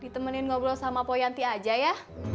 ditemenin ngobrol sama poyanti aja ya